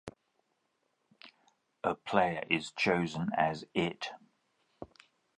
A player is chosen as 'It.